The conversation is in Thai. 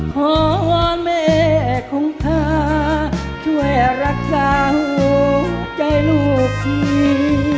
ขอวันเมฆของข้าช่วยรักษาหัวใจลูกดี